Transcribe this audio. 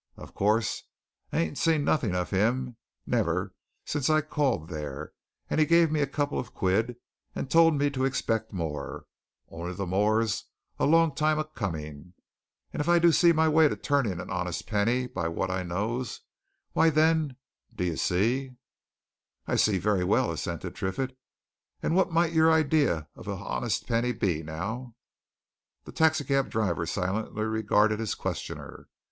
Of course, I ain't seen nothing of him never since I called there, and he gave me a couple o' quid, and told me to expect more only the more's a long time o' coming, and if I do see my way to turning a honest penny by what I knows, why, then, d'ye see " "I see, very well," assented Triffitt. "And what might your idea of an honest penny be, now?" The taxi cab driver silently regarded his questioner.